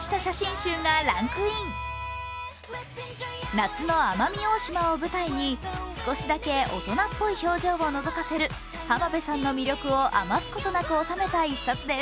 夏の奄美大島を舞台に少しだけ大人っぽい表情をのぞかせる浜辺さんの魅力を余すことなく収めた一冊です。